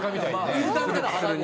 イルカみたいな肌に。